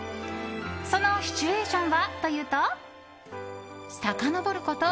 そのシチュエーションはというとさかのぼること